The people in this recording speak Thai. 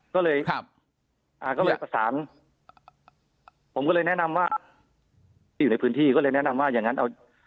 ก็เลยครับอ่าก็เลยประสานผมก็เลยแนะนำว่าที่อยู่ในพื้นที่ก็เลยแนะนำว่าอย่างงั้นเอา